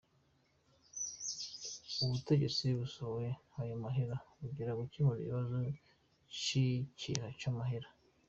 Ubutegetsi busohoye ayo mahera kugira bukemure ikibazo c'ikeha ry'amahera.